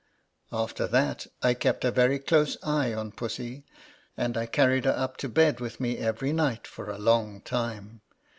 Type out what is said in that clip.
After that, I kept a very close eye on Pussy ; and I carried her up to bed with me every night for a long time.